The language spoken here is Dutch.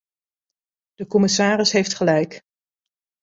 De commissaris heeft gelijk.